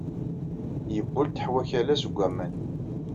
Yebbulteḥ wakal-a seg waman.